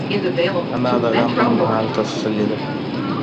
انا د غم پر مهال تسل ده